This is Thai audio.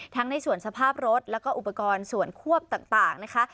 ในส่วนสภาพรถแล้วก็อุปกรณ์ส่วนควบต่างนะคะ